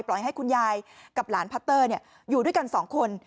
ให้คุณยายกับหลานพัตเตอร์อยู่ด้วยกันสองคน